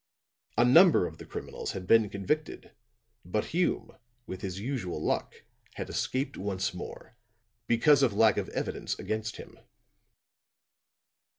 A number of the criminals had been convicted; but Hume, with his usual luck, had escaped once more, because of lack of evidence against him.